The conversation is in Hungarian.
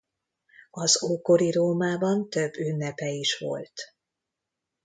Az ókori Rómában több ünnepe is volt.